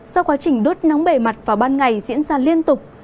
do quá trình đốt nóng bề mặt vào ban ngày diễn ra liên tục